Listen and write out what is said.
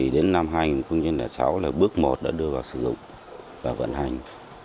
đến năm hai nghìn sáu là bước một đã đưa vào sử dụng và vận hành